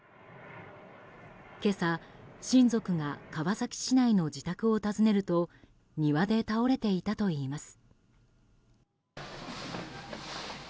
今朝、親族が川崎市内の自宅を訪ねると庭で倒れていたといいます。